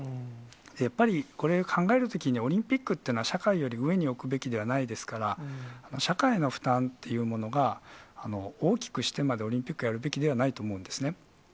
やっぱりこれ、考えるときに、オリンピックっていうのは、社会より上に置くべきではないですから、社会の負担っていうものが、大きくしてまで、オリンピックやるべきではないと思うんですね。